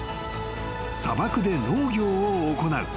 ［砂漠で農業を行う。